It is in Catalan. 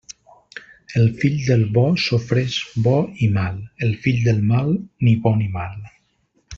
El fill del bo sofreix bo i mal; el fill del mal, ni bo ni mal.